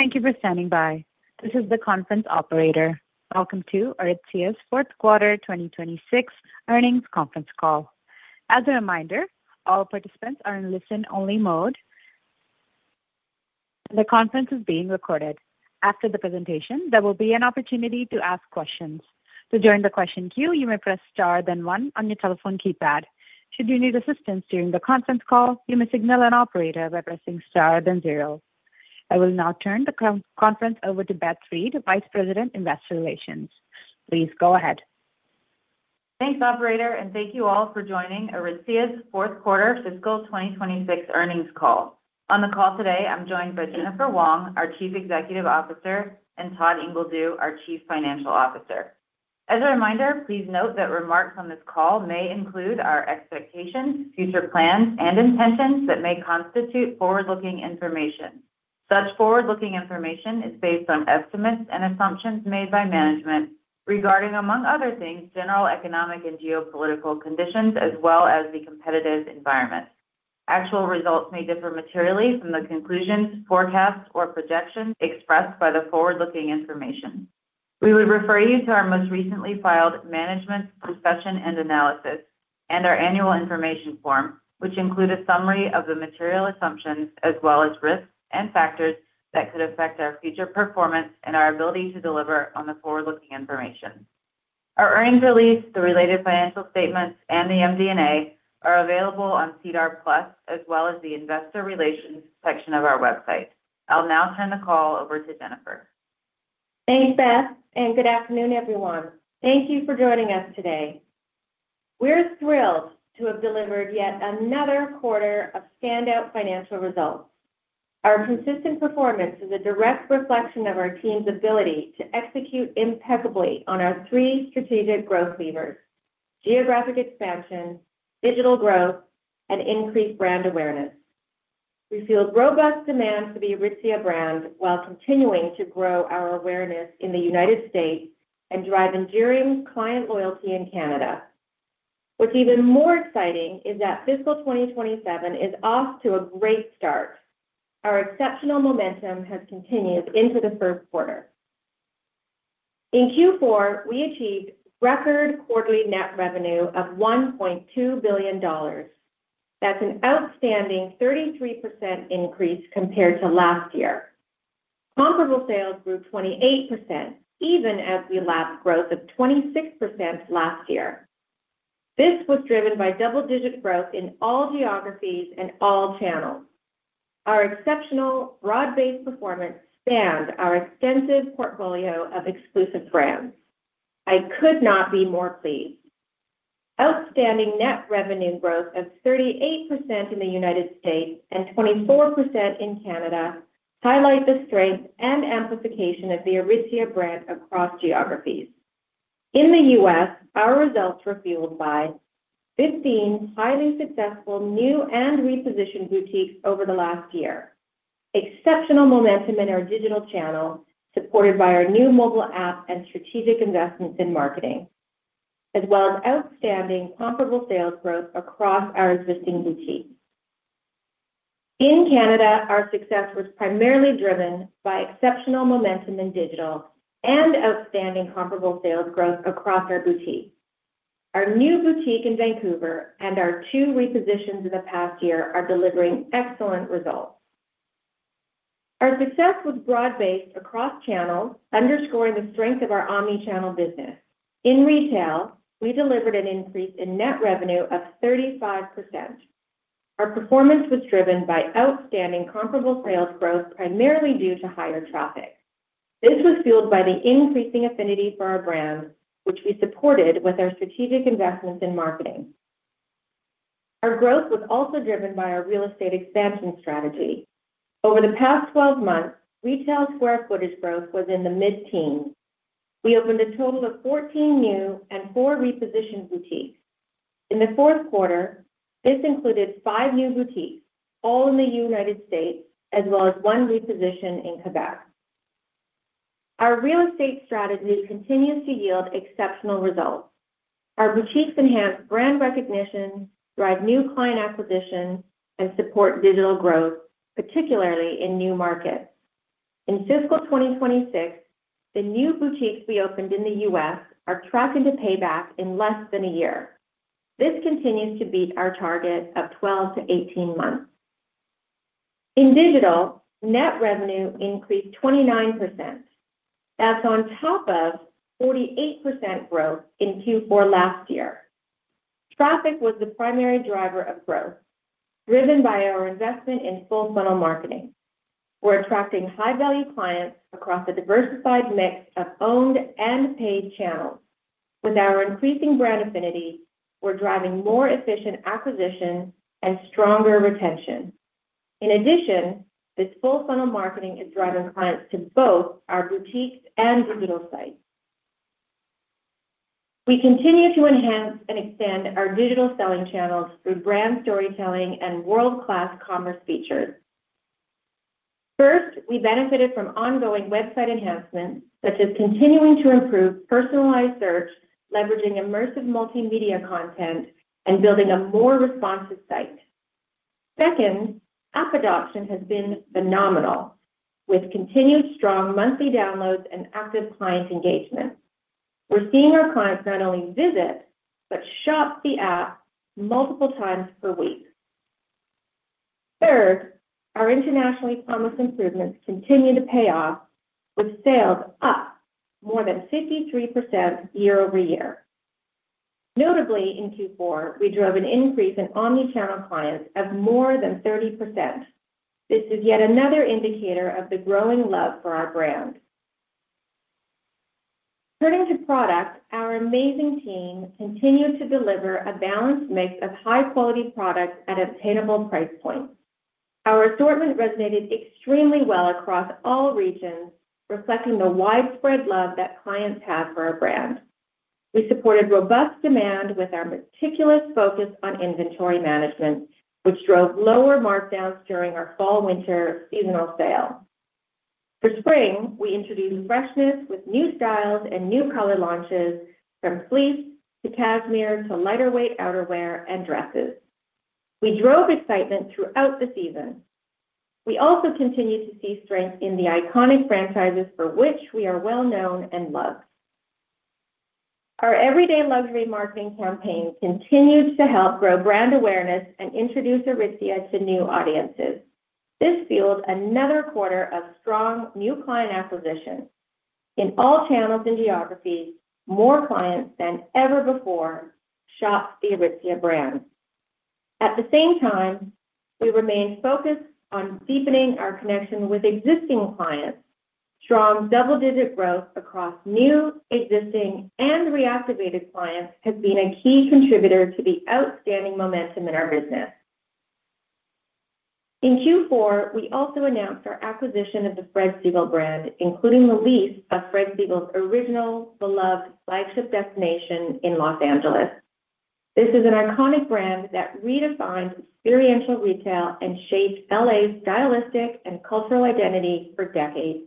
Thank you for standing by. This is the conference operator. Welcome to Aritzia's fourth quarter 2026 earnings conference call. As a reminder, all participants are in listen only mode. The conference is being recorded. After the presentation, there will be an opportunity to ask questions. To join the question queue, you may press star then one on your telephone keypad. Should you need assistance during the conference call, you may signal an operator by pressing star then zero. I will now turn the conference over to Beth Reed, Vice President, Investor Relations. Please go ahead. Thanks, operator, and thank you all for joining Aritzia's fourth quarter fiscal 2026 earnings call. On the call today, I'm joined by Jennifer Wong, our Chief Executive Officer, and Todd Ingledew, our Chief Financial Officer. As a reminder, please note that remarks on this call may include our expectations, future plans, and intentions that may constitute forward-looking information. Such forward-looking information is based on estimates and assumptions made by management regarding, among other things, general economic and geopolitical conditions, as well as the competitive environment. Actual results may differ materially from the conclusions, forecasts or projections expressed by the forward-looking information. We would refer you to our most recently filed Management Discussion and Analysis and our Annual Information Form, which include a summary of the material assumptions as well as risks and factors that could affect our future performance and our ability to deliver on the forward-looking information. Our earnings release, the related financial statements, and the MD&A are available on SEDAR+ as well as the investor relations section of our website. I'll now turn the call over to Jennifer. Thanks, Beth. Good afternoon, everyone. Thank you for joining us today. We're thrilled to have delivered yet another quarter of standout financial results. Our consistent performance is a direct reflection of our team's ability to execute impeccably on our three strategic growth levers: geographic expansion, digital growth, and increased brand awareness. We feel robust demand for the Aritzia brand while continuing to grow our awareness in the U.S. and drive enduring client loyalty in Canada. What's even more exciting is that fiscal 2027 is off to a great start. Our exceptional momentum has continued into the first quarter. In Q4, we achieved record quarterly net revenue of 1.2 billion dollars. That's an outstanding 33% increase compared to last year. Comparable sales grew 28%, even as we lapped growth of 26% last year. This was driven by double-digit growth in all geographies and all channels. Our exceptional broad-based performance spanned our extensive portfolio of exclusive brands. I could not be more pleased. Outstanding net revenue growth of 38% in the U.S. and 24% in Canada highlight the strength and amplification of the Aritzia brand across geographies. In the U.S., our results were fueled by 15 highly successful new and repositioned boutiques over the last year, exceptional momentum in our digital channel, supported by our new mobile app and strategic investments in marketing, as well as outstanding comparable sales growth across our existing boutiques. In Canada, our success was primarily driven by exceptional momentum in digital and outstanding comparable sales growth across our boutiques. Our new boutique in Vancouver and our two repositions in the past year are delivering excellent results. Our success was broad-based across channels, underscoring the strength of our omni-channel business. In retail, we delivered an increase in net revenue of 35%. Our performance was driven by outstanding comparable sales growth, primarily due to higher traffic. This was fueled by the increasing affinity for our brands, which we supported with our strategic investments in marketing. Our growth was also driven by our real estate expansion strategy. Over the past 12 months, retail square footage growth was in the mid-teens. We opened a total of 14 new and four repositioned boutiques. In the fourth quarter, this included five new boutiques, all in the United States, as well as one reposition in Quebec. Our real estate strategy continues to yield exceptional results. Our boutiques enhance brand recognition, drive new client acquisition, and support digital growth, particularly in new markets. In fiscal 2026, the new boutiques we opened in the U.S. are tracking to pay back in less than a year. This continues to beat our target of 12-18 months. In digital, net revenue increased 29%. That's on top of 48% growth in Q4 last year. Traffic was the primary driver of growth, driven by our investment in full funnel marketing. We're attracting high-value clients across a diversified mix of owned and paid channels. With our increasing brand affinity, we're driving more efficient acquisition and stronger retention. In addition, this full funnel marketing is driving clients to both our boutiques and digital sites. We continue to enhance and extend our digital selling channels through brand storytelling and world-class commerce features. First, we benefited from ongoing website enhancements, such as continuing to improve personalized search, leveraging immersive multimedia content, and building a more responsive site. Second, app adoption has been phenomenal, with continued strong monthly downloads and active client engagement. We're seeing our clients not only visit, but shop the app multiple times per week. Third, our international e-commerce improvements continue to pay off, with sales up more than 53% year-over-year. Notably in Q4, we drove an increase in omnichannel clients of more than 30%. This is yet another indicator of the growing love for our brand. Turning to product, our amazing team continued to deliver a balanced mix of high-quality products at obtainable price points. Our assortment resonated extremely well across all regions, reflecting the widespread love that clients have for our brand. We supported robust demand with our meticulous focus on inventory management, which drove lower markdowns during our fall/winter seasonal sale. For spring, we introduced freshness with new styles and new color launches, from fleece to cashmere to lighter weight outerwear and dresses. We drove excitement throughout the season. We also continue to see strength in the iconic franchises for which we are well known and loved. Our Everyday luxury marketing campaign continues to help grow brand awareness and introduce Aritzia to new audiences. This fueled another quarter of strong new client acquisition. In all channels and geographies, more clients than ever before shopped the Aritzia brand. At the same time, we remain focused on deepening our connection with existing clients. Strong double-digit growth across new, existing, and reactivated clients has been a key contributor to the outstanding momentum in our business. In Q4, we also announced our acquisition of the Fred Segal brand, including the lease of Fred Segal's original beloved flagship destination in Los Angeles. This is an iconic brand that redefined experiential retail and shaped L.A.'s stylistic and cultural identity for decades.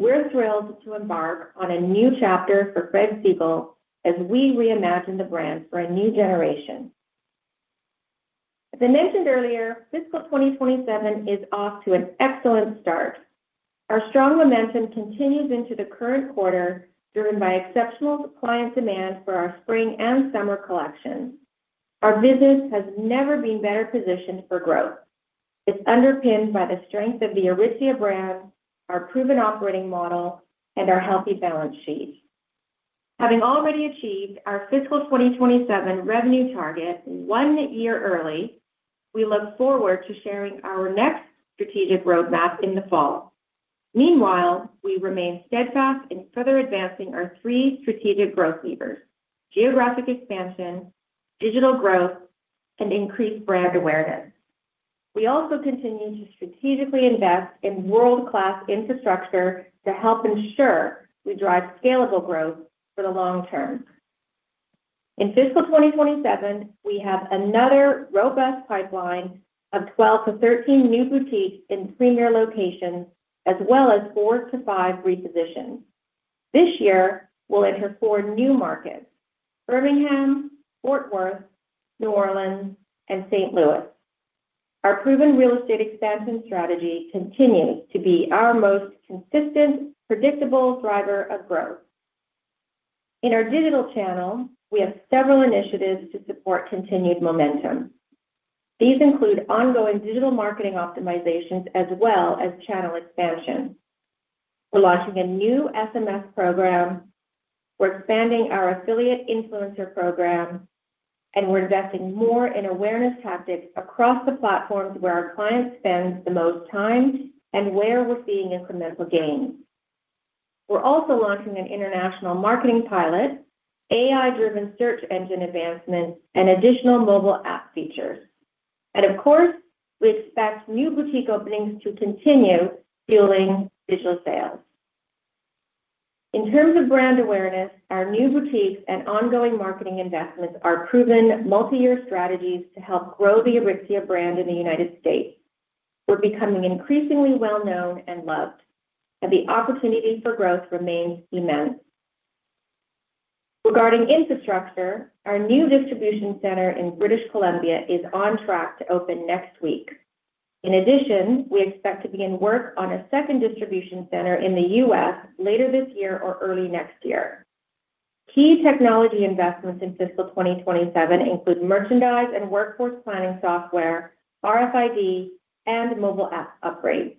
We're thrilled to embark on a new chapter for Fred Segal as we reimagine the brand for a new generation. As I mentioned earlier, fiscal 2027 is off to an excellent start. Our strong momentum continues into the current quarter, driven by exceptional client demand for our spring and summer collections. Our business has never been better positioned for growth. It's underpinned by the strength of the Aritzia brand, our proven operating model, and our healthy balance sheet. Having already achieved our fiscal 2027 revenue target one year early, we look forward to sharing our next strategic roadmap in the fall. Meanwhile, we remain steadfast in further advancing our three strategic growth levers: geographic expansion, digital growth, and increased brand awareness. We also continue to strategically invest in world-class infrastructure to help ensure we drive scalable growth for the long term. In fiscal 2027, we have another robust pipeline of 12-13 new boutiques in premier locations, as well as four to five repositions. This year will enter four new markets: Birmingham, Fort Worth, New Orleans, and St. Louis. Our proven real estate expansion strategy continues to be our most consistent, predictable driver of growth. In our digital channel, we have several initiatives to support continued momentum. These include ongoing digital marketing optimizations as well as channel expansion. We're launching a new SMS program, we're expanding our affiliate influencer program, and we're investing more in awareness tactics across the platforms where our clients spend the most time and where we're seeing incremental gains. We're also launching an international marketing pilot, AI-driven search engine advancements, and additional mobile app features. Of course, we expect new boutique openings to continue fueling digital sales. In terms of brand awareness, our new boutiques and ongoing marketing investments are proven multi-year strategies to help grow the Aritzia brand in the United States. We're becoming increasingly well known and loved, and the opportunity for growth remains immense. Regarding infrastructure, our new distribution center in British Columbia is on track to open next week. In addition, we expect to begin work on a second distribution center in the U.S. later this year or early next year. Key technology investments in fiscal 2027 include merchandise and workforce planning software, RFID, and mobile app upgrades.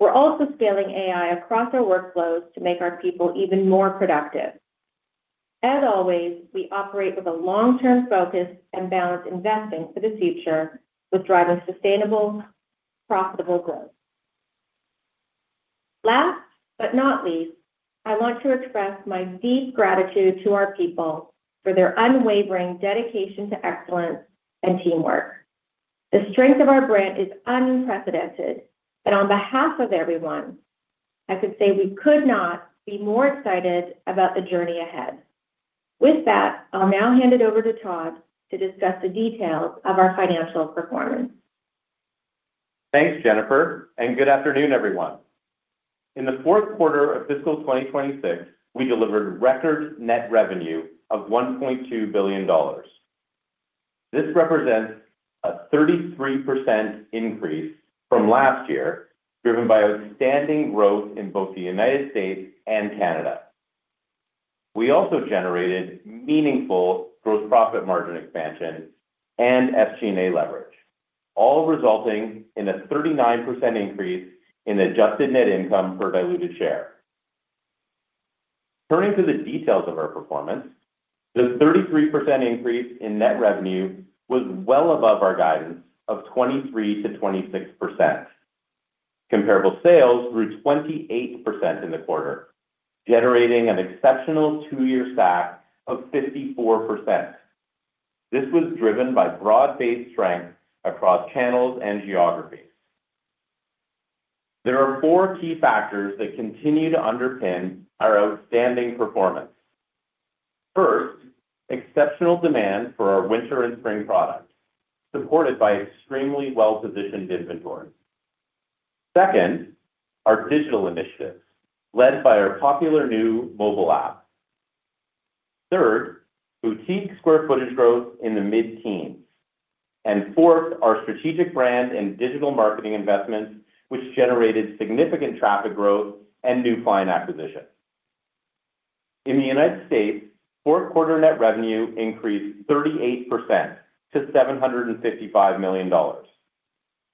We're also scaling AI across our workflows to make our people even more productive. As always, we operate with a long-term focus and balance investing for the future with driving sustainable, profitable growth. Last but not least, I want to express my deep gratitude to our people for their unwavering dedication to excellence and teamwork. The strength of our brand is unprecedented. On behalf of everyone, I can say we could not be more excited about the journey ahead. With that, I'll now hand it over to Todd to discuss the details of our financial performance. Thanks, Jennifer. Good afternoon, everyone. In the fourth quarter of fiscal 2026, we delivered record net revenue of 1.2 billion dollars. This represents a 33% increase from last year, driven by outstanding growth in both the United States and Canada. We also generated meaningful gross profit margin expansion and SG&A leverage, all resulting in a 39% increase in adjusted net income per diluted share. Turning to the details of our performance, the 33% increase in net revenue was well above our guidance of 23%-26%. Comparable sales grew 28% in the quarter, generating an exceptional two-year stack of 54%. This was driven by broad-based strength across channels and geographies. There are four key factors that continue to underpin our outstanding performance. First, exceptional demand for our winter and spring products, supported by extremely well-positioned inventory. Second, our digital initiatives led by our popular new mobile app. Third, boutique square footage growth in the mid-teens. Fourth, our strategic brand and digital marketing investments, which generated significant traffic growth and new client acquisition. In the United States, fourth quarter net revenue increased 38% to 755 million dollars.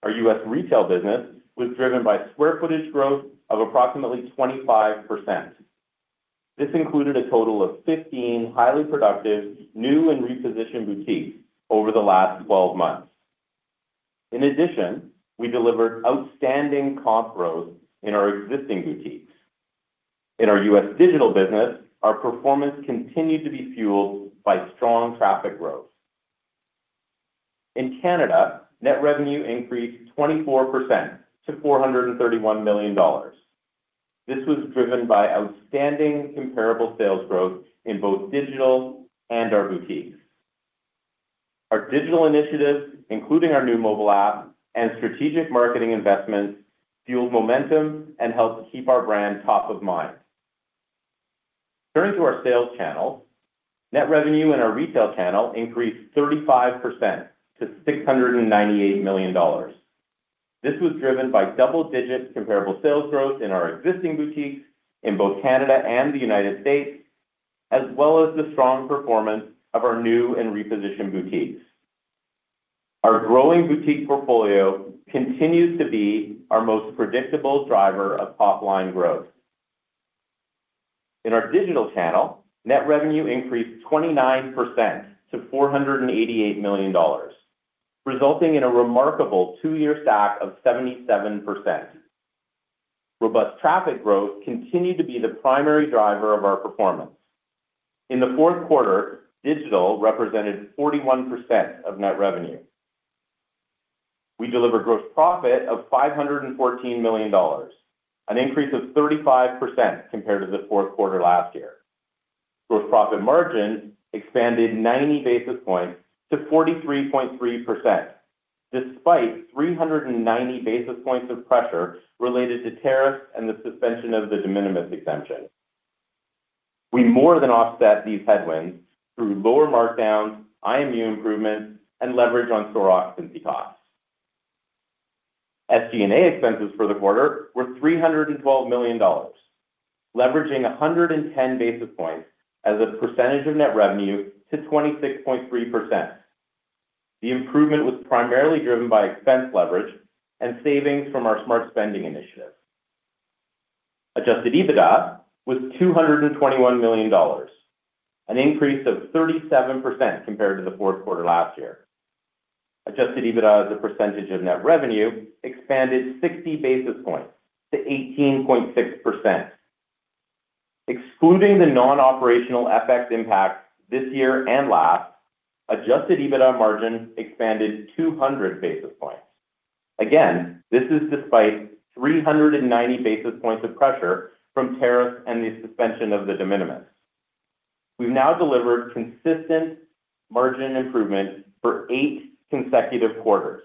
Our U.S. retail business was driven by square footage growth of approximately 25%. This included a total of 15 highly productive new and repositioned boutiques over the last 12 months. In addition, we delivered outstanding comp growth in our existing boutiques. In our U.S. digital business, our performance continued to be fueled by strong traffic growth. In Canada, net revenue increased 24% to 431 million dollars. This was driven by outstanding comparable sales growth in both digital and our boutiques. Our digital initiatives, including our new mobile app and strategic marketing investments, fueled momentum and helped to keep our brand top of mind. Turning to our sales channel, net revenue in our retail channel increased 35% to 698 million dollars. This was driven by double-digit comparable sales growth in our existing boutiques in both Canada and the United States, as well as the strong performance of our new and repositioned boutiques. Our growing boutique portfolio continues to be our most predictable driver of top-line growth. In our digital channel, net revenue increased 29% to 488 million dollars, resulting in a remarkable two-year stack of 77%. Robust traffic growth continued to be the primary driver of our performance. In the fourth quarter, digital represented 41% of net revenue. We delivered gross profit of 514 million dollars, an increase of 35% compared to the fourth quarter last year. Gross profit margin expanded 90 basis points to 43.3% despite 390 basis points of pressure related to tariffs and the suspension of the de minimis exemption. We more than offset these headwinds through lower markdowns, IMU improvements and leverage on store occupancy costs. SG&A expenses for the quarter were 312 million dollars, leveraging 110 basis points as a percentage of net revenue to 26.3%. The improvement was primarily driven by expense leverage and savings from our smart spending initiative. Adjusted EBITDA was 221 million dollars, an increase of 37% compared to the fourth quarter last year. Adjusted EBITDA as a percentage of net revenue expanded 60 basis points to 18.6%. Excluding the non-operational FX impacts this year and last, adjusted EBITDA margin expanded 200 basis points. Again, this is despite 390 basis points of pressure from tariffs and the suspension of the de minimis. We've now delivered consistent margin improvement for eight consecutive quarters.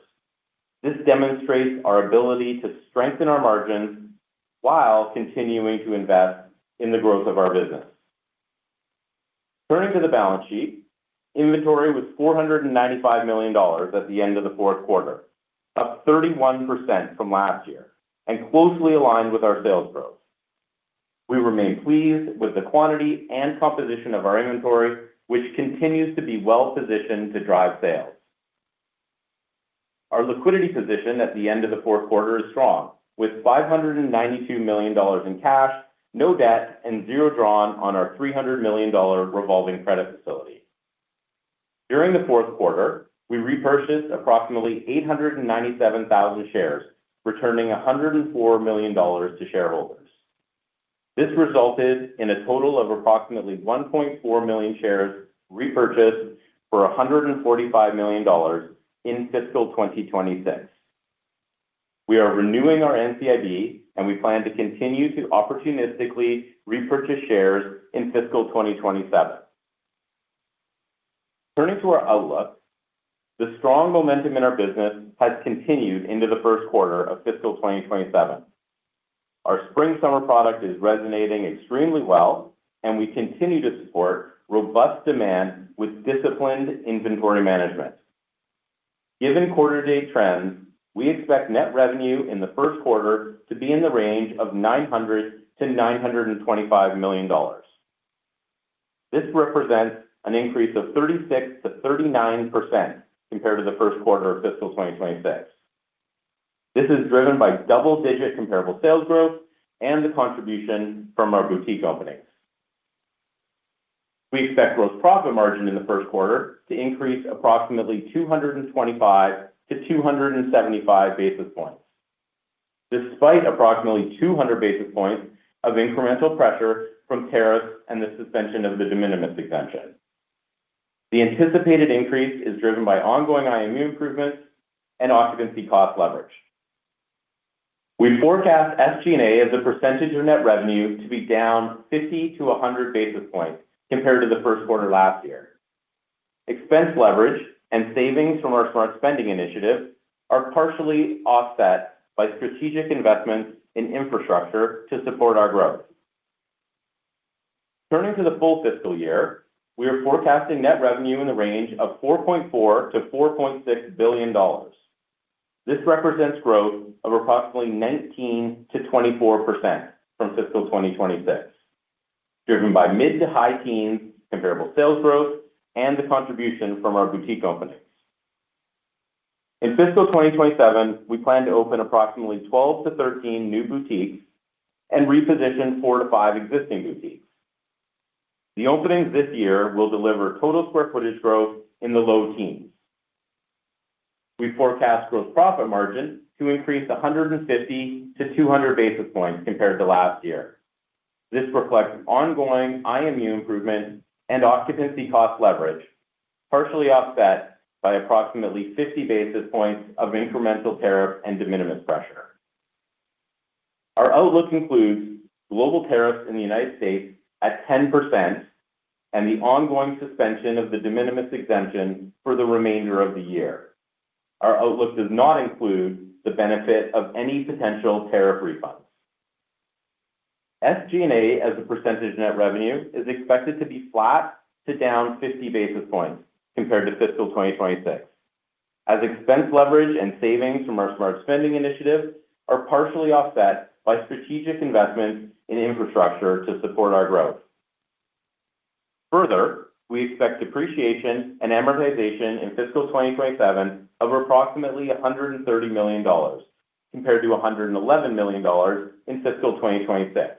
This demonstrates our ability to strengthen our margins while continuing to invest in the growth of our business. Turning to the balance sheet, inventory was 495 million dollars at the end of the fourth quarter, up 31% from last year and closely aligned with our sales growth. We remain pleased with the quantity and composition of our inventory, which continues to be well-positioned to drive sales. Our liquidity position at the end of the fourth quarter is strong with 592 million dollars in cash, no debt and zero drawn on our 300 million dollar revolving credit facility. During the fourth quarter, we repurchased approximately 897,000 shares, returning 104 million dollars to shareholders. This resulted in a total of approximately 1.4 million shares repurchased for 145 million dollars in fiscal 2026. We are renewing our NCIB, and we plan to continue to opportunistically repurchase shares in fiscal 2027. Turning to our outlook, the strong momentum in our business has continued into the first quarter of fiscal 2027. Our spring/summer product is resonating extremely well, and we continue to support robust demand with disciplined inventory management. Given quarter-to-date trends, we expect net revenue in the first quarter to be in the range of 900 million-925 million dollars. This represents an increase of 36%-39% compared to the first quarter of fiscal 2026. This is driven by double-digit comparable sales growth and the contribution from our boutique openings. We expect gross profit margin in the first quarter to increase approximately 225-275 basis points, despite approximately 200 basis points of incremental pressure from tariffs and the suspension of the de minimis exemption. The anticipated increase is driven by ongoing IMU improvements and occupancy cost leverage. We forecast SG&A as a percentage of net revenue to be down 50-100 basis points compared to the first quarter last year. Expense leverage and savings from our smart spending initiative are partially offset by strategic investments in infrastructure to support our growth. Turning to the full fiscal year, we are forecasting net revenue in the range of 4.4 billion-4.6 billion dollars. This represents growth of approximately 19%-24% from fiscal 2026, driven by mid to high teens comparable sales growth and the contribution from our boutique openings. In fiscal 2027, we plan to open approximately 12-13 new boutiques and reposition four to five existing boutiques. The openings this year will deliver total square footage growth in the low teens. We forecast gross profit margin to increase 150-200 basis points compared to last year. This reflects ongoing IMU improvement and occupancy cost leverage, partially offset by approximately 50 basis points of incremental tariff and de minimis pressure. Our outlook includes global tariffs in the U.S. at 10% and the ongoing suspension of the de minimis exemption for the remainder of the year. Our outlook does not include the benefit of any potential tariff refunds. SG&A as a percentage of net revenue is expected to be flat to down 50 basis points compared to fiscal 2026, as expense leverage and savings from our smart spending initiative are partially offset by strategic investments in infrastructure to support our growth. We expect depreciation and amortization in fiscal 2027 of approximately 130 million dollars compared to 111 million dollars in fiscal 2026.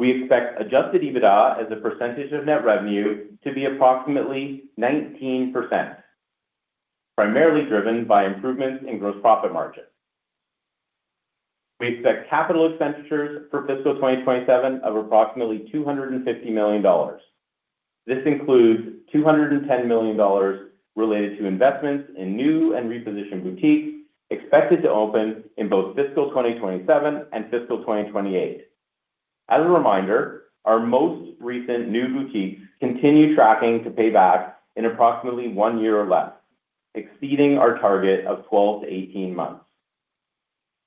We expect adjusted EBITDA as a percentage of net revenue to be approximately 19%, primarily driven by improvements in gross profit margin. We expect CapEx for fiscal 2027 of approximately 250 million dollars. This includes 210 million dollars related to investments in new and repositioned boutiques expected to open in both fiscal 2027 and fiscal 2028. As a reminder, our most recent new boutiques continue tracking to pay back in approximately oneyear or less, exceeding our target of 12-18 months.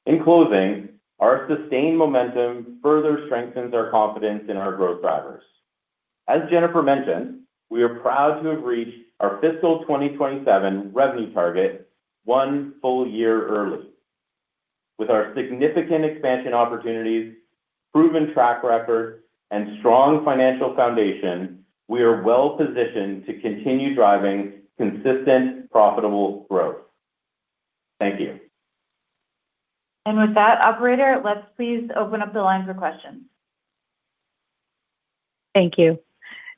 In closing, our sustained momentum further strengthens our confidence in our growth drivers. As Jennifer mentioned, we are proud to have reached our fiscal 2027 revenue target one full year early. With our significant expansion opportunities, proven track record, and strong financial foundation, we are well-positioned to continue driving consistent profitable growth. Thank you. With that, operator, let's please open up the lines for questions. Thank you,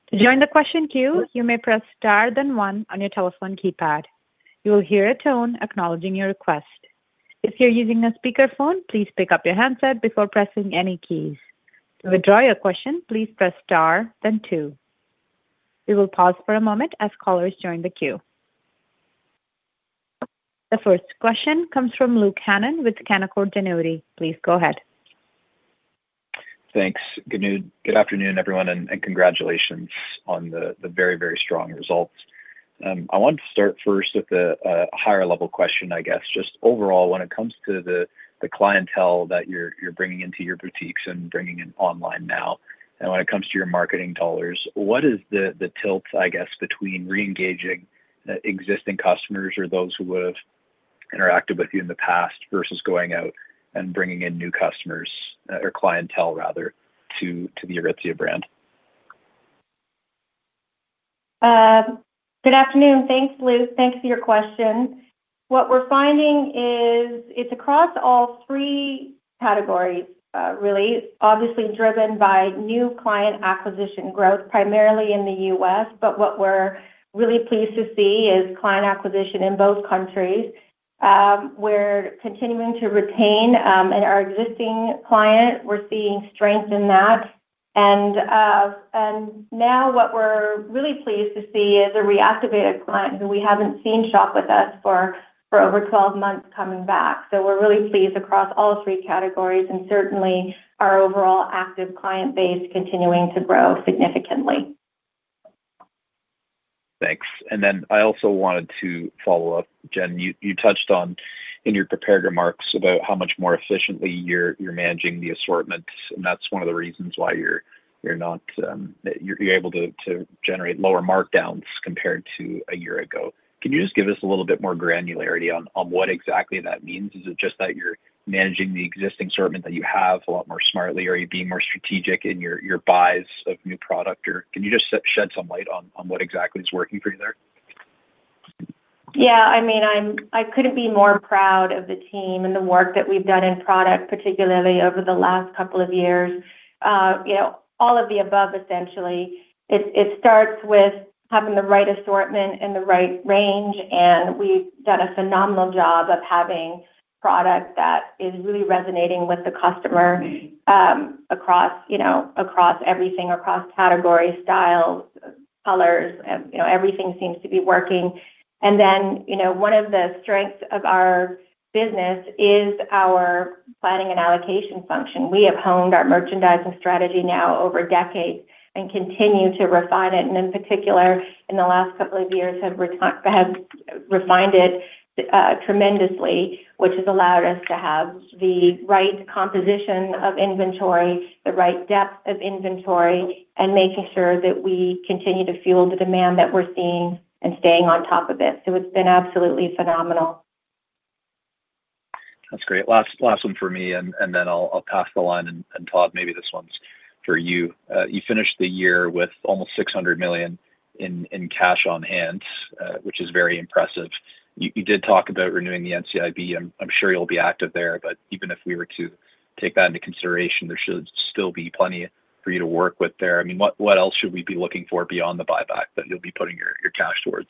to join the question queue you may press star then one on your telephone keypad. You'll hear a tone acknowledging your request. If you're using a speaker phone please pickup your handset before pressing any keys. To withdraw your question, please press star then two. We will pause for a moment as callers join the queue. The first question comes from Luke Hannan with Canaccord Genuity. Please go ahead. Thanks. Good afternoon, everyone, and congratulations on the very strong results. I wanted to start first with a higher level question, I guess, just overall when it comes to the clientele that you're bringing into your boutiques and bringing in online now, and when it comes to your marketing dollars, what is the tilt, I guess, between re-engaging existing customers or those who have interacted with you in the past versus going out and bringing in new customers or clientele rather to the Aritzia brand? Good afternoon. Thanks, Luke. Thanks for your question. What we're finding is it's across all three categories, really. Obviously driven by new client acquisition growth, primarily in the U.S., but what we're really pleased to see is client acquisition in both countries. We're continuing to retain, and our existing client, we're seeing strength in that. Now what we're really pleased to see is a reactivated client who we haven't seen shop with us for over 12 months coming back. We're really pleased across all three categories, and certainly our overall active client base continuing to grow significantly. I also wanted to follow up, Jen, you touched on, in your prepared remarks about how much more efficiently you're managing the assortments, and that's one of the reasons why you're able to generate lower markdowns compared to a year ago. Can you just give us a little bit more granularity on what exactly that means? Is it just that you're managing the existing assortment that you have a lot more smartly? Are you being more strategic in your buys of new product? Or can you just shed some light on what exactly is working for you there? I mean, I couldn't be more proud of the team and the work that we've done in product, particularly over the last couple of years. You know, all of the above, essentially. It starts with having the right assortment and the right range, and we've done a phenomenal job of having product that is really resonating with the customer, across, you know, across everything. Across category, styles, colors, you know, everything seems to be working. You know, one of the strengths of our business is our planning and allocation function. We have honed our merchandising strategy now over decades and continue to refine it, and in particular, in the last couple of years have refined it tremendously, which has allowed us to have the right composition of inventory, the right depth of inventory, and making sure that we continue to fuel the demand that we're seeing, and staying on top of it. It's been absolutely phenomenal. That's great. Last one for me, and then I'll pass the line and Todd, maybe this one's for you. You finished the year with almost 600 million in cash on hand, which is very impressive. You did talk about renewing the NCIB, I'm sure you'll be active there, but even if we were to take that into consideration, there should still be plenty for you to work with there. I mean, what else should we be looking for beyond the buyback that you'll be putting your cash towards?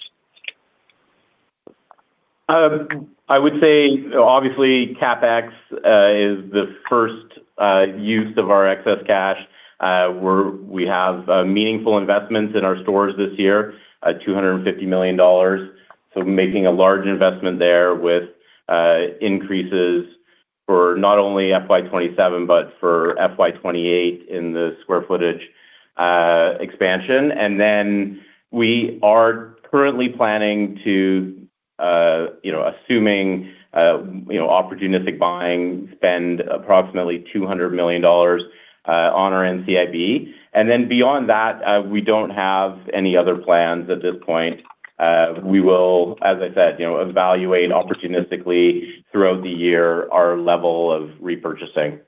I would say, obviously, CapEx is the first use of our excess cash. We have meaningful investments in our stores this year, 250 million dollars. Making a large investment there with increases for not only FY 2027, but for FY 2028 in the square footage expansion. We are currently planning to, you know, assuming, you know, opportunistic buying, spend approximately 200 million dollars on our NCIB. Beyond that, we don't have any other plans at this point. We will, as I said, you know, evaluate opportunistically throughout the year our level of repurchasing.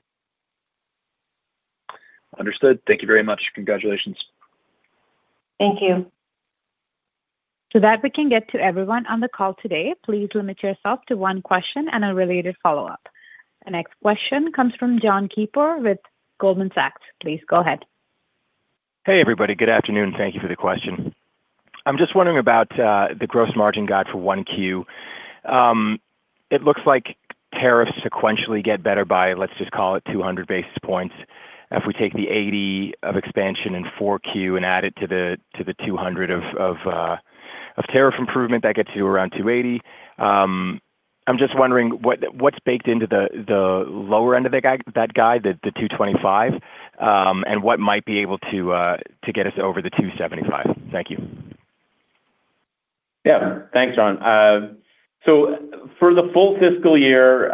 Understood. Thank you very much. Congratulations. Thank you. That we can get to everyone on the call today, please limit yourself to 1 question and a related follow-up. The next question comes from Jon Keypour with Goldman Sachs. Please go ahead. Hey, everybody. Good afternoon. Thank you for the question. I'm just wondering about the gross margin guide for 1Q. It looks like tariffs sequentially get better by, let's just call it 200 basis points. If we take the 80 basis points of expansion in 4Q and add it to the 200 basis points of tariff improvement, that gets you around 280 basis points. I'm just wondering what's baked into the lower end of that guide, the 225 basis points, and what might be able to get us over the 275 basis points? Thank you. Yeah. Thanks, Jon. For the full fiscal year,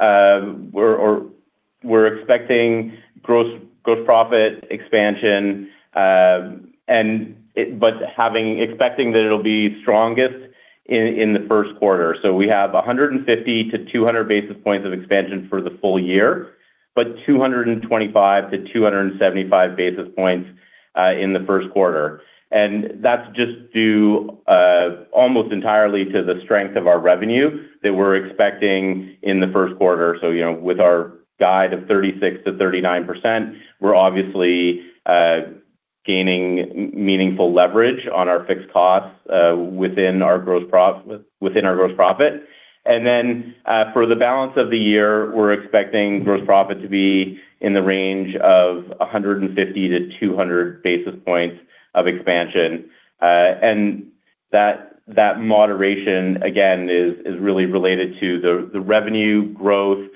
we're expecting gross profit expansion, expecting that it'll be strongest in the first quarter. We have 150-200 basis points of expansion for the full year, but 225-275 basis points in the first quarter. That's just due almost entirely to the strength of our revenue that we're expecting in the first quarter. You know, with our guide of 36%-39%, we're obviously gaining meaningful leverage on our fixed costs within our gross profit. For the balance of the year, we're expecting gross profit to be in the range of 150-200 basis points of expansion. That moderation, again, is really related to the revenue growth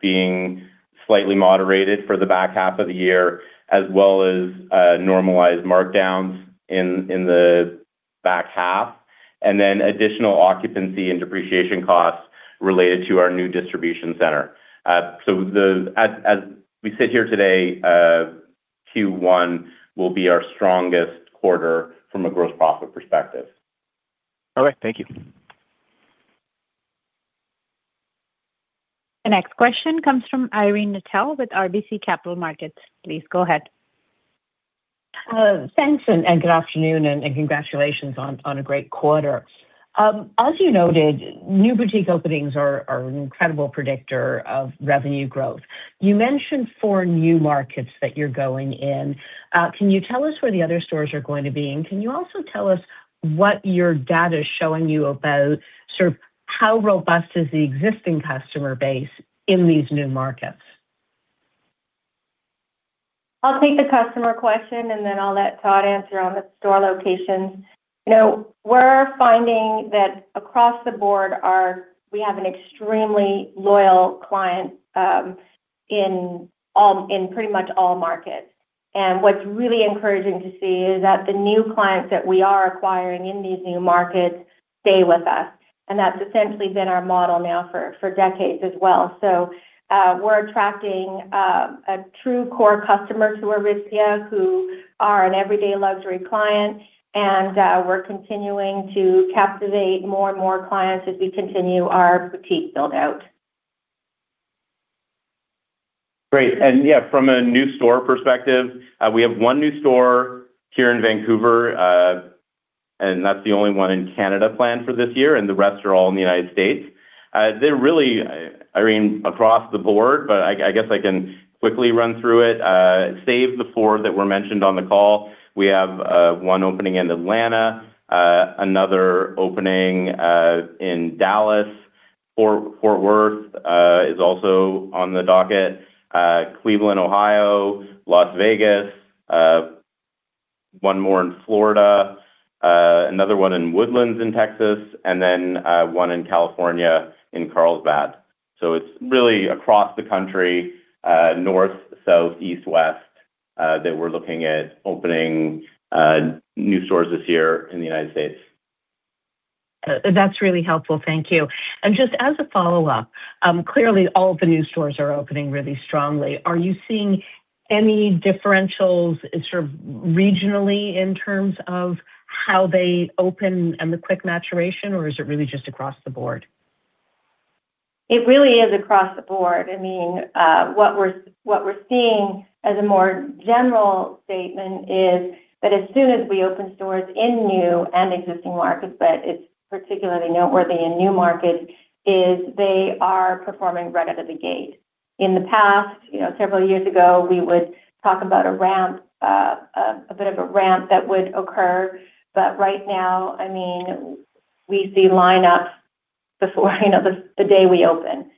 being slightly moderated for the back half of the year, as well as normalized markdowns in the back half, and then additional occupancy and depreciation costs related to our new distribution center. As we sit here today, Q1 will be our strongest quarter from a gross profit perspective. All right. Thank you. The next question comes from Irene Nattel with RBC Capital Markets. Please go ahead. Thanks and good afternoon and congratulations on a great quarter. As you noted, new boutique openings are an incredible predictor of revenue growth. You mentioned four new markets that you're going in. Can you tell us where the other stores are going to be? Can you also tell us what your data is showing you about sort of how robust is the existing customer base in these new markets? I'll take the customer question, and then I'll let Todd answer on the store locations. You know, we're finding that across the board We have an extremely loyal client in all, in pretty much all markets. What's really encouraging to see is that the new clients that we are acquiring in these new markets stay with us, and that's essentially been our model now for decades as well. We're attracting a true core customer to Aritzia who are an everyday luxury client, and we're continuing to captivate more and more clients as we continue our boutique build out. Great. Yeah, from a new store perspective, we have one new store here in Vancouver, and that's the only one in Canada planned for this year, and the rest are all in the United States. They're really, I mean, across the board, but I guess I can quickly run through it. Save the four that were mentioned on the call, we have one opening in Atlanta, another opening in Dallas, Fort Worth, is also on the docket. Cleveland, Ohio, Las Vegas, one more in Florida, another one in Woodlands in Texas, and then one in California in Carlsbad. It's really across the country, north, south, east, west, that we're looking at opening new stores this year in the United States. That's really helpful, thank you. Just as a follow-up, clearly all the new stores are opening really strongly. Are you seeing any differentials sort of regionally in terms of how they open and the quick maturation, or is it really just across the board? It really is across the board. I mean, what we're seeing as a more general statement is that as soon as we open stores in new and existing markets, but it's particularly noteworthy in new markets, is they are performing right out of the gate. In the past, you know, several years ago, we would talk about a ramp, a bit of a ramp that would occur. Right now, I mean, we see lineups before you know, the day we open.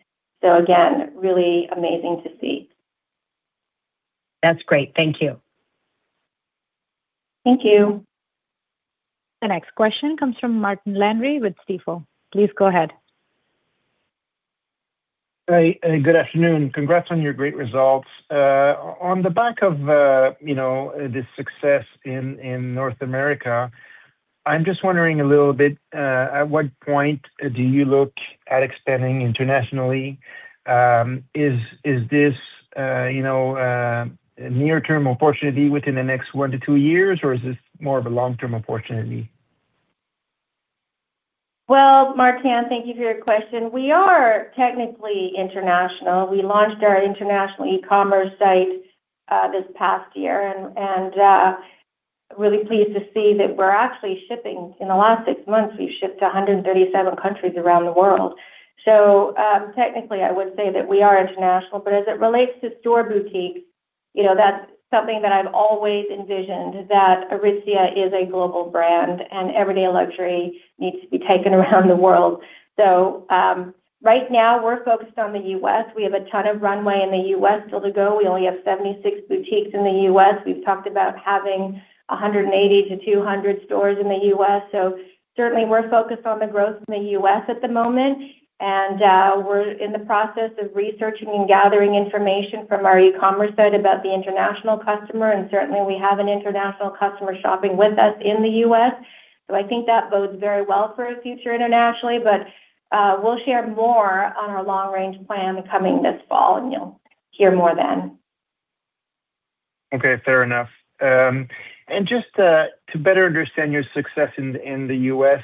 Again, really amazing to see. That's great. Thank you. Thank you. The next question comes from Martin Landry with Stifel. Please go ahead. Hi, good afternoon. Congrats on your great results. On the back of, you know, the success in North America, I'm just wondering a little bit, at what point do you look at expanding internationally? Is this, you know, a near-term opportunity within the next one to two years, or is this more of a long-term opportunity? Martin, thank you for your question. We are technically international. We launched our international e-commerce site this past year and really pleased to see that we're actually shipping in the last six months, we've shipped to 137 countries around the world. Technically, I would say that we are international, but as it relates to store boutiques, you know, that's something that I've always envisioned, that Aritzia is a global brand and everyday luxury needs to be taken around the world. Right now we're focused on the U.S. We have a ton of runway in the U.S. still to go. We only have 76 boutiques in the U.S. We've talked about having 180-200 stores in the U.S. Certainly we're focused on the growth in the U.S. at the moment. We're in the process of researching and gathering information from our e-commerce site about the international customer, and certainly we have an international customer shopping with us in the U.S. I think that bodes very well for our future internationally. We'll share more on our long-range plan coming this fall. You'll hear more then. Okay, fair enough. Just to better understand your success in the U.S.,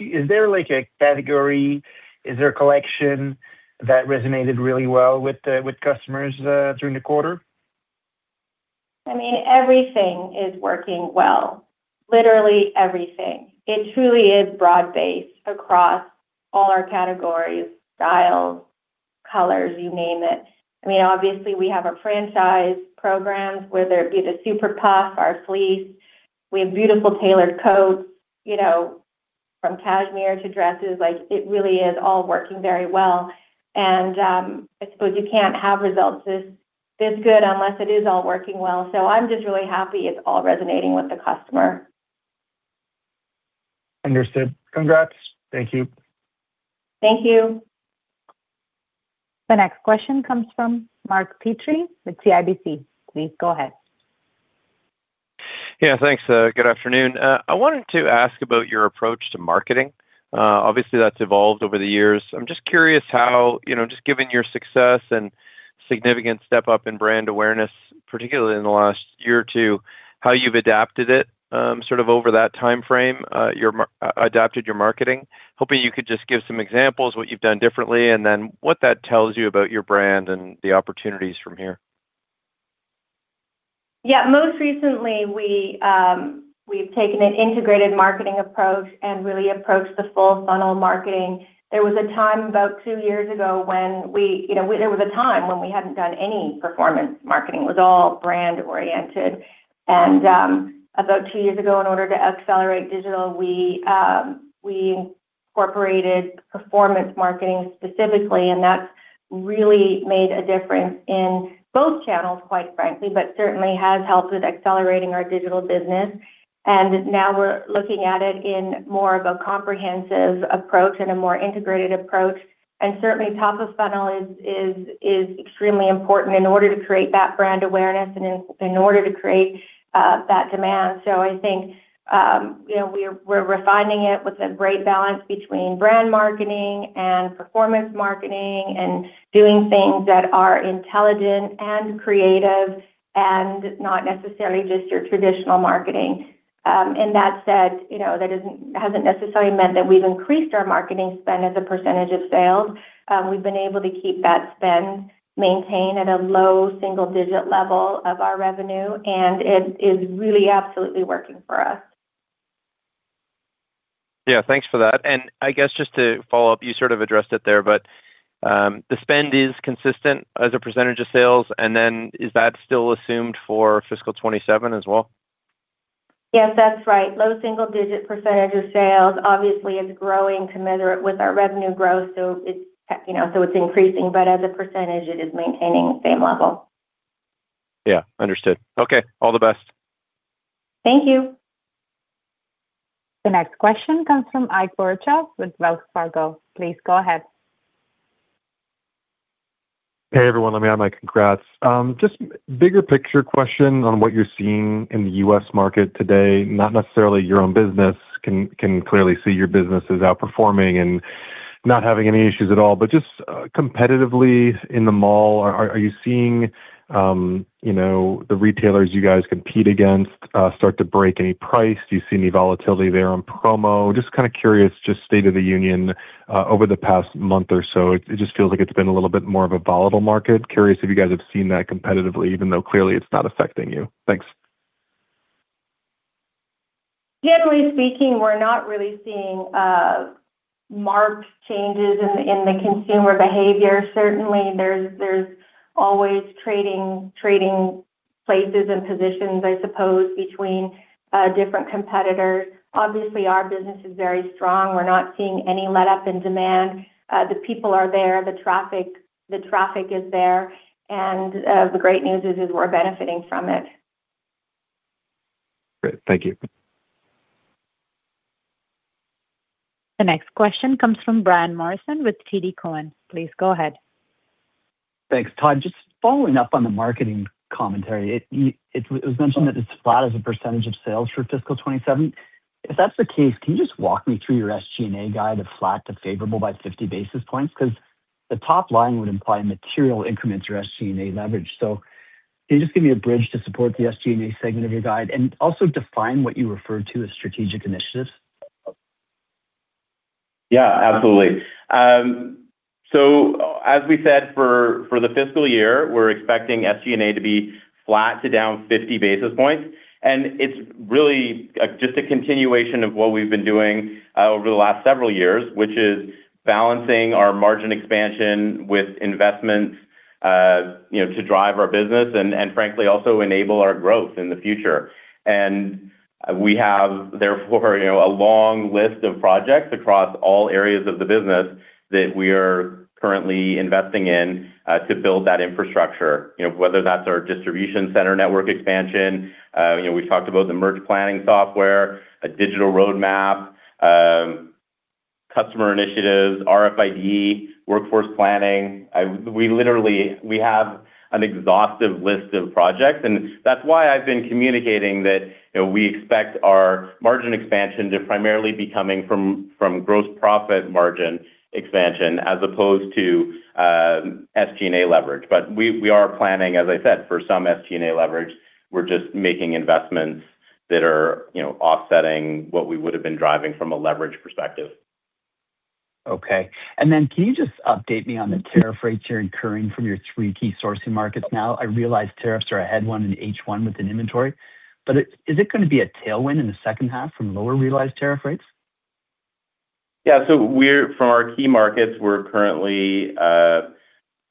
is there like a category, is there a collection that resonated really well with customers during the quarter? I mean, everything is working well, literally everything. It truly is broad-based across all our categories, styles, colors, you name it. I mean, obviously we have our franchise programs, whether it be the Super Puff, our fleece. We have beautiful tailored coats, you know, from cashmere to dresses, like it really is all working very well. I suppose you can't have results this good unless it is all working well. I'm just really happy it's all resonating with the customer. Understood. Congrats. Thank you. Thank you. The next question comes from Mark Petrie with CIBC. Please go ahead. Yeah, thanks. Good afternoon. I wanted to ask about your approach to marketing. Obviously that's evolved over the years. I'm just curious how, you know, just given your success and significant step up in brand awareness, particularly in the last year or two, how you've adapted it, sort of over that timeframe, adapted your marketing. Hoping you could just give some examples what you've done differently, and then what that tells you about your brand and the opportunities from here. Yeah. Most recently, we've taken an integrated marketing approach and really approached the full funnel marketing. You know, there was a time when we hadn't done any performance marketing. It was all brand oriented. About two years ago, in order to accelerate digital, we incorporated performance marketing specifically, and that's really made a difference in both channels, quite frankly, but certainly has helped with accelerating our digital business. Now we're looking at it in more of a comprehensive approach and a more integrated approach. Certainly top of funnel is extremely important in order to create that brand awareness and in order to create that demand. I think, you know, we're refining it with a great balance between brand marketing and performance marketing and doing things that are intelligent and creative and not necessarily just your traditional marketing. That said, you know, that hasn't necessarily meant that we've increased our marketing spend as a percentage of sales. We've been able to keep that spend maintained at a low single-digit level of our revenue, and it is really absolutely working for us. Yeah, thanks for that. I guess just to follow up, you sort of addressed it there, but the spend is consistent as a percentage of sales, and then is that still assumed for fiscal 2027 as well? Yes, that's right. Low single-digit % of sales obviously is growing to measure it with our revenue growth. It's, you know, so it's increasing, but as a percentage it is maintaining same level. Yeah, understood. Okay, all the best. Thank you. The next question comes from Ike Boruchow with Wells Fargo. Please go ahead. Hey, everyone. Let me add my congrats. Just bigger picture question on what you're seeing in the U.S. market today, not necessarily your own business. Clearly see your business is outperforming and not having any issues at all. Just competitively in the mall, are you seeing, you know, the retailers you guys compete against start to break any price? Do you see any volatility there on promo? Just kinda curious, just state of the union over the past month or so. It just feels like it's been a little bit more of a volatile market. Curious if you guys have seen that competitively, even though clearly it's not affecting you. Thanks. Generally speaking, we're not really seeing marked changes in the consumer behavior. Certainly, there's always trading places and positions, I suppose, between different competitors. Obviously, our business is very strong. We're not seeing any letup in demand. The people are there. The traffic is there. The great news is we're benefiting from it. Great. Thank you. The next question comes from Brian Morrison with TD Cowen. Please go ahead. Thanks. Todd, just following up on the marketing commentary. It was mentioned that it's flat as a percentage of sales for fiscal 2027. If that's the case, can you just walk me through your SG&A guide of flat to favorable by 50 basis points? 'Cause the top line would imply material increments or SG&A leverage. Can you just give me a bridge to support the SG&A segment of your guide and also define what you refer to as strategic initiatives? Yeah, absolutely. As we said, for the fiscal year, we're expecting SG&A to be flat to down 50 basis points. It's really just a continuation of what we've been doing over the last several years, which is balancing our margin expansion with investments, you know, to drive our business and frankly, also enable our growth in the future. We have therefore, you know, a long list of projects across all areas of the business that we are currently investing in to build that infrastructure. You know, whether that's our distribution center network expansion, you know, we've talked about the merch planning software, a digital roadmap, customer initiatives, RFID, workforce planning. We literally have an exhaustive list of projects, and that's why I've been communicating that, you know, we expect our margin expansion to primarily be coming from gross profit margin expansion as opposed to SG&A leverage. We are planning, as I said, for some SG&A leverage. We're just making investments that are, you know, offsetting what we would have been driving from a leverage perspective. Okay. Then can you just update me on the tariff rates you're incurring from your three key sourcing markets now? I realize tariffs are a headwind in H1 within inventory, is it going to be a tailwind in the second half from lower realized tariff rates? Yeah. We're from our key markets, we're currently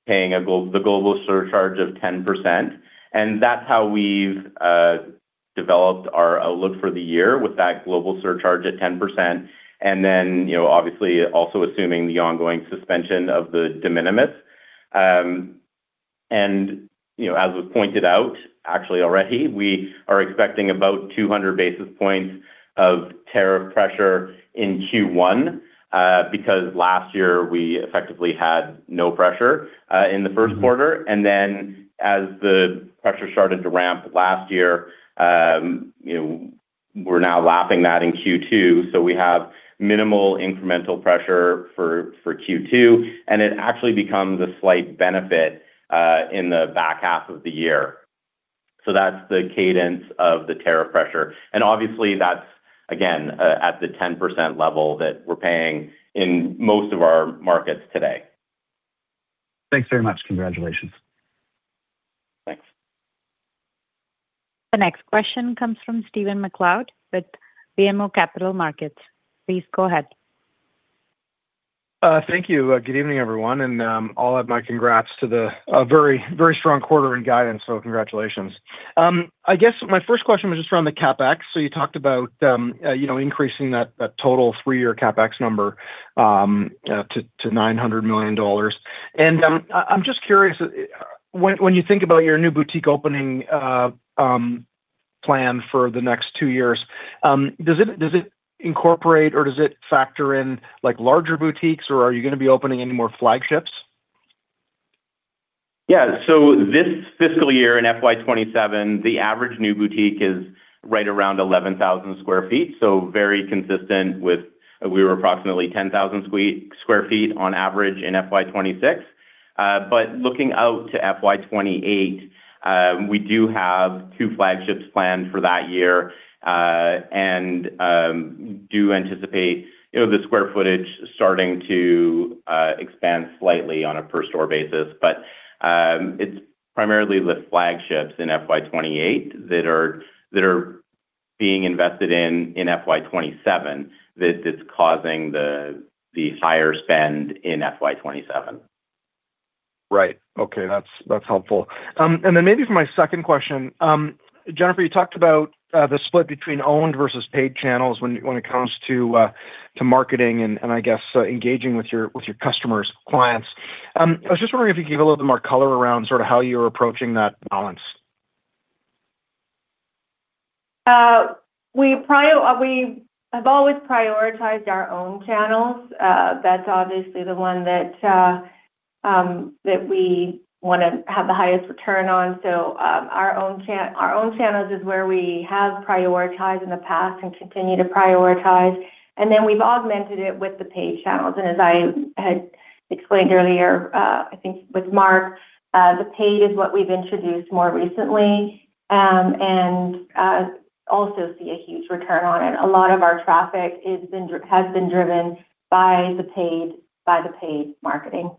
paying the global surcharge of 10%, and that's how we've developed our outlook for the year with that global surcharge at 10%. You know, obviously also assuming the ongoing suspension of the de minimis. You know, as was pointed out actually already, we are expecting about 200 basis points of tariff pressure in Q1, because last year we effectively had no pressure in the first quarter. As the pressure started to ramp last year, you know, we're now lapping that in Q2. We have minimal incremental pressure for Q2, and it actually becomes a slight benefit in the back half of the year. That's the cadence of the tariff pressure. Obviously that's again, at the 10% level that we're paying in most of our markets today. Thanks very much. Congratulations. The next question comes from Stephen MacLeod with BMO Capital Markets. Please go ahead. Thank you. Good evening, everyone. I'll add my congrats to the very strong quarter and guidance, congratulations. I guess my first question was just around the CapEx. You talked about, you know, increasing that total three-year CapEx number to 900 million dollars. I'm just curious, when you think about your new boutique opening plan for the next two years, does it incorporate or does it factor in like larger boutiques, or are you gonna be opening any more flagships? Yeah. This fiscal year in FY 2027, the average new boutique is right around 11,000 square feet, very consistent with We were approximately 10,000 sq ft on average in FY 2026. Looking out to FY 2028, we do have two flagships planned for that year, do anticipate, you know, the square footage starting to expand slightly on a per store basis. It's primarily the flagships in FY 2028 that are being invested in in FY 2027 that is causing the higher spend in FY 2027. Right. Okay, that's helpful. Maybe for my second question, Jennifer, you talked about the split between owned versus paid channels when it comes to marketing and I guess, engaging with your, with your customers, clients. I was just wondering if you could give a little bit more color around sort of how you're approaching that balance. We have always prioritized our own channels. That's obviously the one that we wanna have the highest return on. Our own channels is where we have prioritized in the past and continue to prioritize, and then we've augmented it with the paid channels. As I had explained earlier, I think with Mark, the paid is what we've introduced more recently, and also see a huge return on it. A lot of our traffic has been driven by the paid marketing.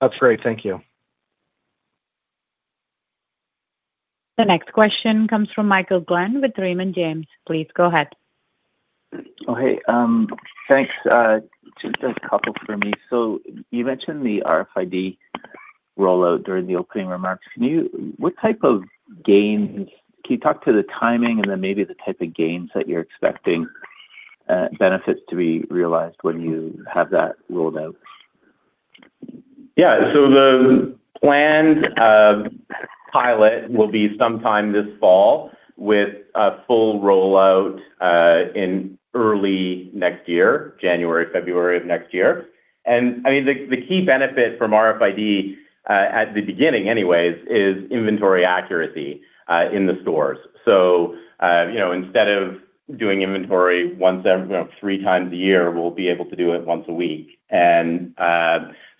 That's great. Thank you. The next question comes from Michael Glen with Raymond James. Please go ahead. Oh, hey. Thanks. Just a couple for me. You mentioned the RFID rollout during the opening remarks. Can you talk to the timing then maybe the type of gains that you're expecting benefits to be realized when you have that rolled out? Yeah. The planned pilot will be sometime this fall with a full rollout in early next year, January, February of next year. I mean, the key benefit from RFID at the beginning anyways, is inventory accuracy in the stores. You know, instead of doing inventory once every, you know, three times a year, we'll be able to do it once a week.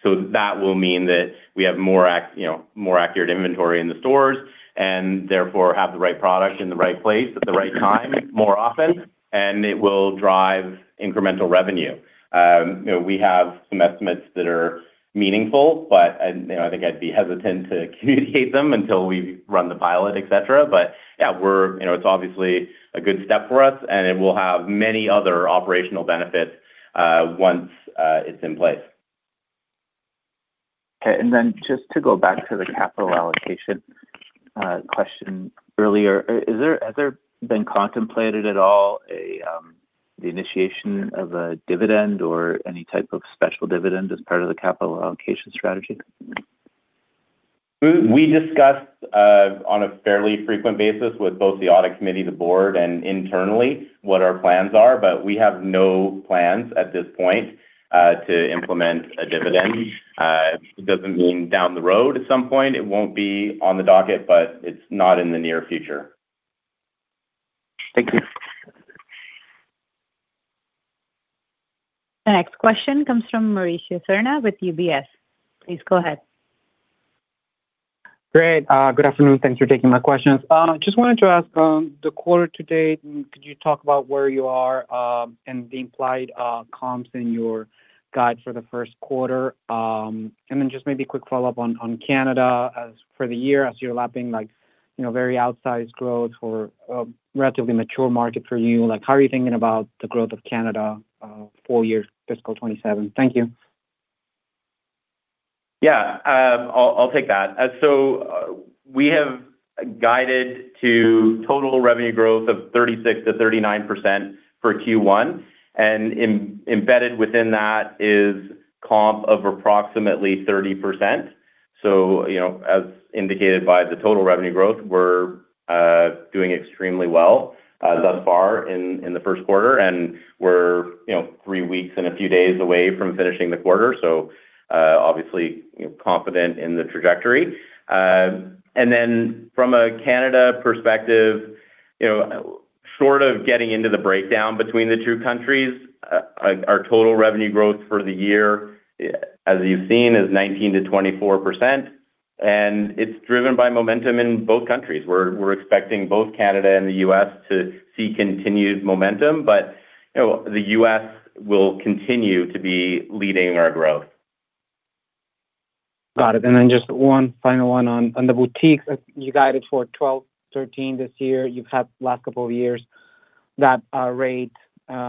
That will mean that we have more, you know, more accurate inventory in the stores and therefore have the right product in the right place at the right time more often, it will drive incremental revenue. You know, we have some estimates that are meaningful, but, you know, I think I'd be hesitant to communicate them until we run the pilot, et cetera. You know, it's obviously a good step for us, and it will have many other operational benefits, once it's in place. Okay, just to go back to the capital allocation question earlier. Has there been contemplated at all, the initiation of a dividend or any type of special dividend as part of the capital allocation strategy? We discussed on a fairly frequent basis with both the audit committee, the board, and internally what our plans are, but we have no plans at this point to implement a dividend. It doesn't mean down the road at some point it won't be on the docket, but it's not in the near future. Thank you. The next question comes from Mauricio Serna with UBS. Please go ahead. Great. Good afternoon. Thanks for taking my questions. Just wanted to ask, the quarter to date, could you talk about where you are, and the implied comps in your guide for the first quarter? Then just maybe a quick follow-up on Canada as for the year as you're lapping like, you know, very outsized growth for a relatively mature market for you. Like, how are you thinking about the growth of Canada, full year fiscal 2027? Thank you. I'll take that. We have guided to total revenue growth of 36%-39% for Q1, and embedded within that is comp of approximately 30%. You know, as indicated by the total revenue growth, we're doing extremely well thus far in the first quarter, and we're, you know, three weeks and a few days away from finishing the quarter, obviously, you know, confident in the trajectory. From a Canada perspective, you know, sort of getting into the breakdown between the two countries, our total revenue growth for the year, as you've seen, is 19%-24%, and it's driven by momentum in both countries. We're expecting both Canada and the U.S. to see continued momentum, you know, the U.S. will continue to be leading our growth. Got it. Just one final one on the boutiques. You guided for 12, 13 this year. You've had the last couple of years that rate,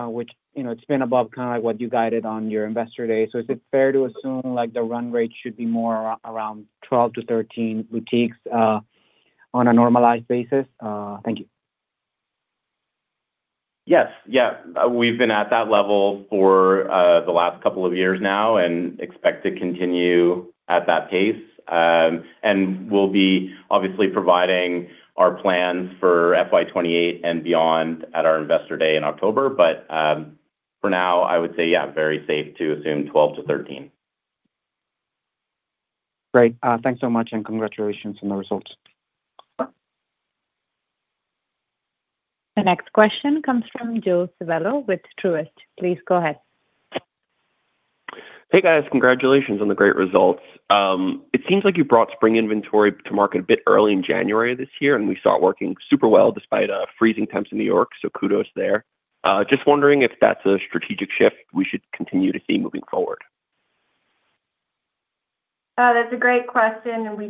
which, you know, it's been above kind of like what you guided on your investor day. Is it fair to assume, like, the run rate should be more around 12 to 13 boutiques on a normalized basis? Thank you. Yes. Yeah. We've been at that level for the last couple of years now and expect to continue at that pace. We'll be obviously providing our plans for FY 2028 and beyond at our Investor Day in October. For now, I would say, yeah, very safe to assume 12-13. Great. Thanks so much, and congratulations on the results. The next question comes from Joe Civello with Truist. Please go ahead. Hey, guys. Congratulations on the great results. It seems like you brought spring inventory to market a bit early in January this year, and we saw it working super well despite freezing temps in New York, so kudos there. Just wondering if that's a strategic shift we should continue to see moving forward. That's a great question. We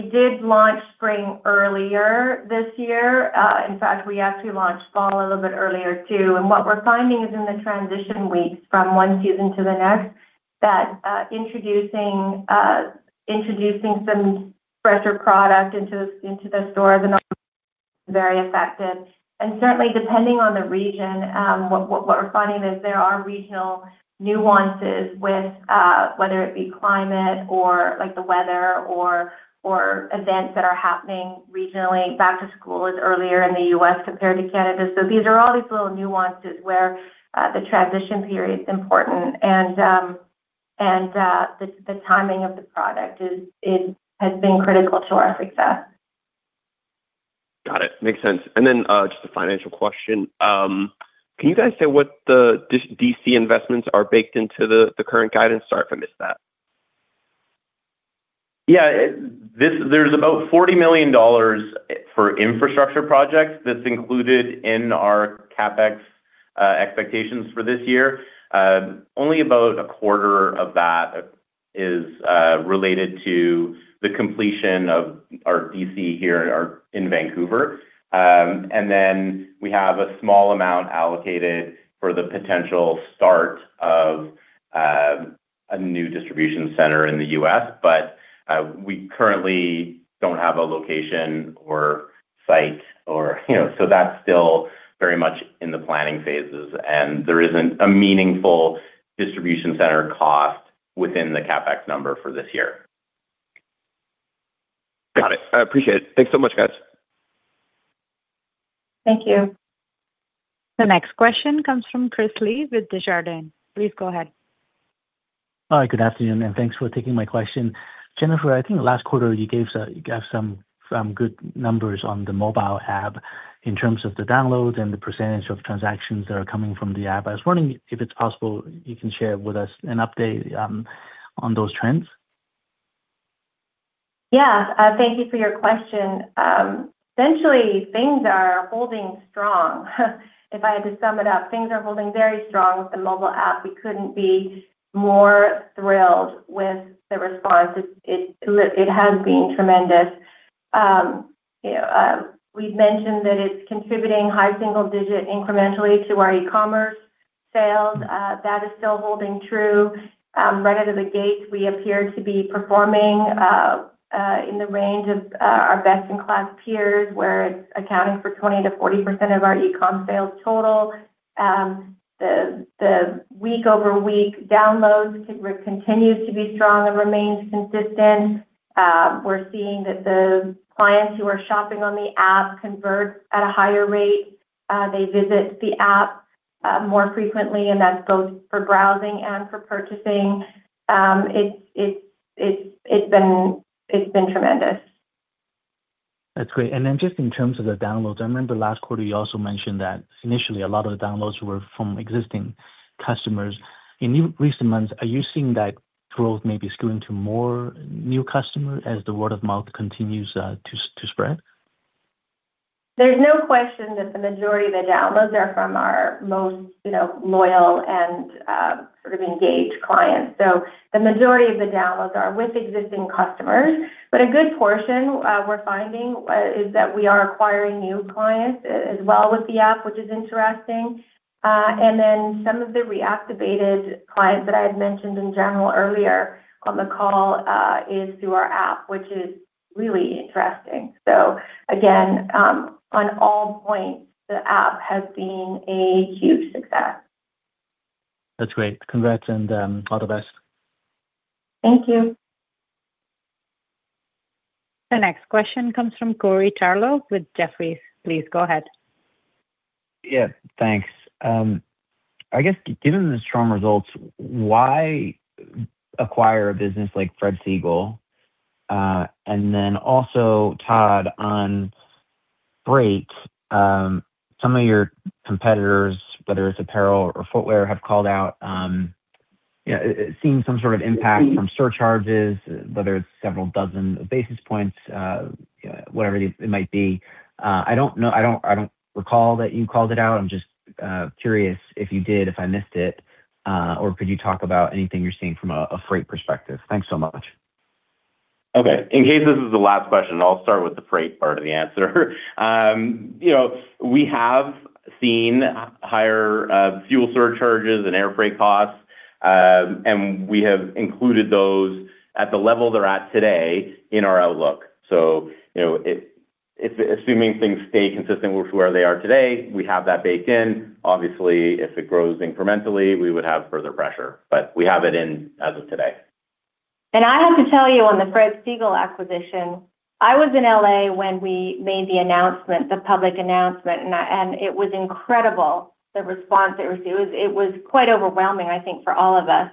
did launch spring earlier this year. In fact, we actually launched fall a little bit earlier too. What we're finding is in the transition weeks from one season to the next, that introducing some fresher product into the, into the stores and very effective. Certainly, depending on the region, what we're finding is there are regional nuances with whether it be climate or, like, the weather or events that are happening regionally. Back to school is earlier in the U.S. compared to Canada. These are all these little nuances where the transition period's important. The timing of the product is has been critical to our success. Got it. Makes sense. Just a financial question. Can you guys say what the DC investments are baked into the current guidance? Sorry if I missed that. Yeah. There's about 40 million dollars for infrastructure projects that's included in our CapEx expectations for this year. Only about a quarter of that is related to the completion of our DC here at our in Vancouver. And then we have a small amount allocated for the potential start of a new distribution center in the U.S. We currently don't have a location or site or, you know. That's still very much in the planning phases, and there isn't a meaningful distribution center cost within the CapEx number for this year. Got it. I appreciate it. Thanks so much, guys. Thank you. The next question comes from Chris Li with Desjardins. Please go ahead. Hi, good afternoon, and thanks for taking my question. Jennifer, I think last quarter you gave some good numbers on the mobile app in terms of the downloads and the percentage of transactions that are coming from the app. I was wondering if it's possible you can share with us an update on those trends. Thank you for your question. Essentially things are holding strong. If I had to sum it up, things are holding very strong with the mobile app. We couldn't be more thrilled with the response. It has been tremendous. We've mentioned that it's contributing high single-digit incrementally to our e-commerce sales. That is still holding true. Right out of the gate, we appear to be performing in the range of our best-in-class peers, where it's accounting for 20%-40% of our e-com sales total. The week-over-week downloads continues to be strong and remains consistent. We're seeing that the clients who are shopping on the app convert at a higher rate. They visit the app more frequently, and that's both for browsing and for purchasing. It's been tremendous. That's great. Just in terms of the downloads, I remember last quarter you also mentioned that initially a lot of the downloads were from existing customers. In recent months, are you seeing that growth maybe skewing to more new customers as the word of mouth continues to spread? There's no question that the majority of the downloads are from our most, you know, loyal and sort of engaged clients. The majority of the downloads are with existing customers. A good portion, we're finding, is that we are acquiring new clients as well with the app, which is interesting. Some of the reactivated clients that I had mentioned in general earlier on the call, is through our app, which is really interesting. Again, on all points, the app has been a huge success. That's great. Congrats and, all the best. Thank you. The next question comes from Corey Tarlowe with Jefferies. Please go ahead. Yeah. Thanks. I guess given the strong results, why acquire a business like Fred Segal? Then also, Todd, on freight, some of your competitors, whether it's apparel or footwear, have called out, you know, seeing some sort of impact from surcharges, whether it's several dozen basis points, whatever it might be. I don't know, I don't recall that you called it out. I'm just curious if you did, if I missed it. Or could you talk about anything you're seeing from a freight perspective? Thanks so much. In case this is the last question, I'll start with the freight part of the answer. You know, we have seen higher fuel surcharges and air freight costs. We have included those at the level they're at today in our outlook. You know, assuming things stay consistent with where they are today, we have that baked in. Obviously, if it grows incrementally, we would have further pressure. We have it in as of today. I have to tell you on the Fred Segal acquisition, I was in L.A. when we made the announcement, the public announcement, and it was incredible, the response it received. It was quite overwhelming, I think, for all of us.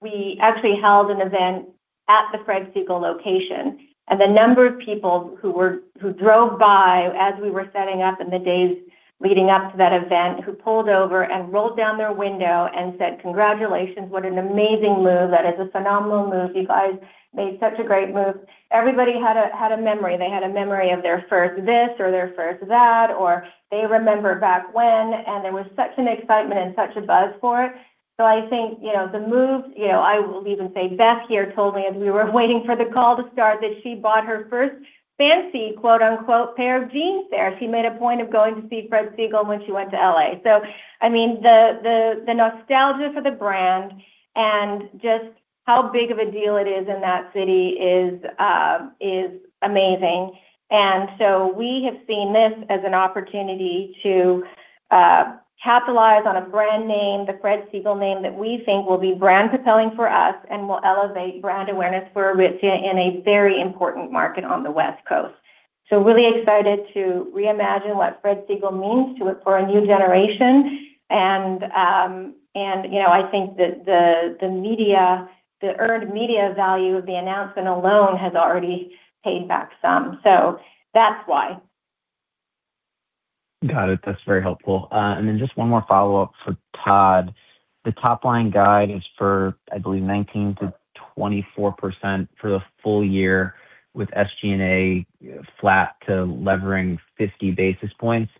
We actually held an event at the Fred Segal location, and the number of people who drove by as we were setting up in the days leading up to that event, who pulled over and rolled down their window and said, "Congratulations. What an amazing move. That is a phenomenal move. You guys made such a great move." Everybody had a memory. They had a memory of their first this or their first that, or they remember back when, and there was such an excitement and such a buzz for it. I think, you know, the move You know, I will even say Beth here told me as we were waiting for the call to start that she bought her first fancy, quote-unquote, pair of jeans there. She made a point of going to see Fred Segal when she went to L.A. I mean, the, the nostalgia for the brand and just how big of a deal it is in that city is amazing. We have seen this as an opportunity to capitalize on a brand name, the Fred Segal name, that we think will be brand propelling for us and will elevate brand awareness for Aritzia in a very important market on the West Coast. Really excited to reimagine what Fred Segal means to for a new generation. You know, I think that the media, the earned media value of the announcement alone has already paid back some. That's why. Got it. That's very helpful. Just one more follow-up for Todd. The top line guide is for, I believe, 19%-24% for the full year with SG&A flat to levering 50 basis points.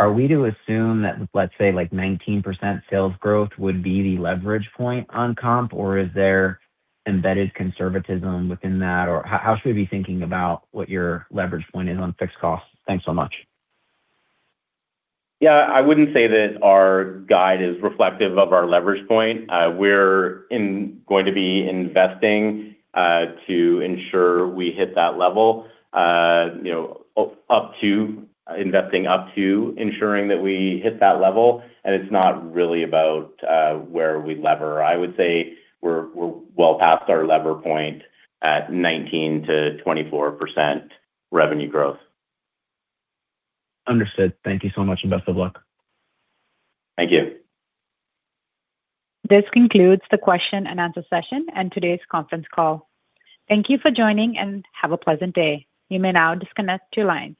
Are we to assume that, let's say, like 19% sales growth would be the leverage point on comp, or is there embedded conservatism within that? How should we be thinking about what your leverage point is on fixed costs? Thanks so much. Yeah. I wouldn't say that our guide is reflective of our leverage point. We're going to be investing to ensure we hit that level. You know, up to, investing up to ensuring that we hit that level, and it's not really about, where we lever. I would say we're well past our lever point at 19%-24% revenue growth. Understood. Thank you so much, and best of luck. Thank you. This concludes the question and answer session and today's conference call. Thank you for joining, and have a pleasant day. You may now disconnect your line.